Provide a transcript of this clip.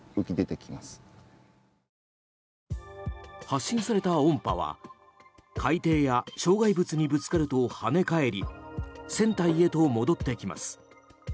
発信された音波は海底や障害物にぶつかると跳ね返り船体へと戻ってきます。